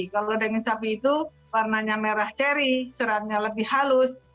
kalau daging sapi itu warnanya merah ceri suratnya lebih halus